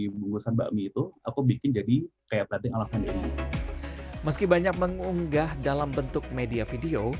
meski banyak mengunggah dalam bentuk media video